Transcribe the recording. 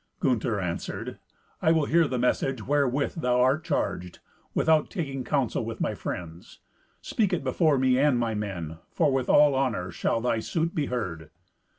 Gunther answered, "I will hear the message wherewith thou art charged, without taking counsel with my friends. Speak it before me and my men, for with all honour shall thy suit be heard."